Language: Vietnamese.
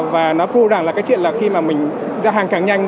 và nó phù rằng là cái chuyện là khi mà mình giao hàng càng nhanh